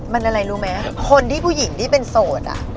มันอะไรรู้ไหมคนที่ผู้หญิงที่เป็นโสดอ่ะ